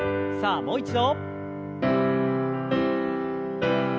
さあもう一度。